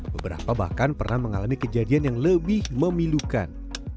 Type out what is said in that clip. beberapa bahkan pernah mengalami kejadian yang lebih memilukan